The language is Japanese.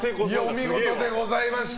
お見事でございました。